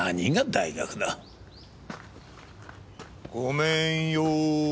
ごめんよ。